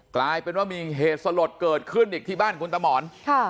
กลายเป็นว่ามีเหตุสลดเกิดขึ้นอีกที่บ้านคุณตะหมอน